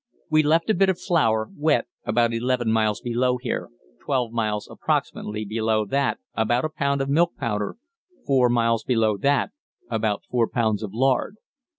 We left a bit of flour wet about 11 miles below here 12 miles (approx.) below that about a pound of milk powder 4 miles below that about 4 pounds of lard.